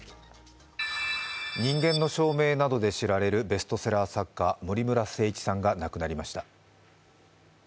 「人間の証明」などで知られるベストセラー作家、森村誠一さんが亡くなりました。